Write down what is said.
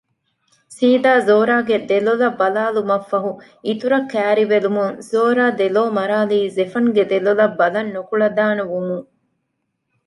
ސީދާ ޒޯރާގެ ދެލޮލަށް ބަލާލުމަށްފަހު އިތުރަށް ކައިރިވެލުމުން ޒޯރާ ދެލޯމަރާލީ ޒެފަންގެ ދެލޮލަށް ބަލަން ނުކުޅަދާނަވުމުން